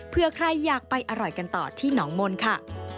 เพื่อใครอยากไปอร่อยกันต่อที่หนองมนต์ค่ะ